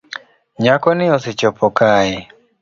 Nyakoni osechopo kae